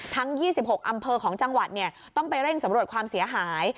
ทั้ง๒๖อำเภอของจังหวัดต้องไปเร่งสำรวจความเสียหาย